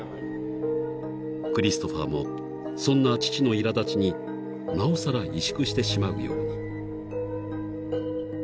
［クリストファーもそんな父のいら立ちになおさら萎縮してしまうように］